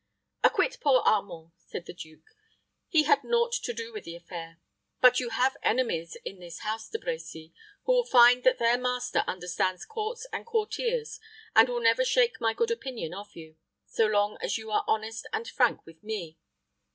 "Acquit poor Armand," said the duke. "He had naught to do with the affair; but you have enemies in this house, De Brecy, who will find that their master understands courts and courtiers, and will never shake my good opinion of you, so long as you are honest and frank with me.